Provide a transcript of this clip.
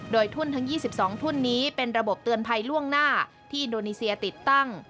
โดยทุ่นทั้ง๒๒ทุ่นนี้เป็นระบบเตือนภัยล่วงหน้าที่อินโดนีเซียติดตั้ง